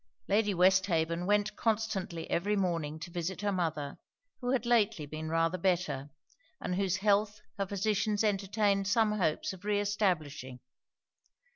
Lady Westhaven went constantly every morning to visit her mother, who had lately been rather better, and whose health her physicians entertained some hopes of re establishing.